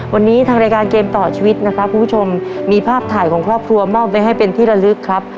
วันนี้ทางรายการเกมต่อชีวิตนะครับคุณผู้ชมมีภาพถ่ายของครอบครัวมอบไว้ให้เป็นที่ระลึกครับ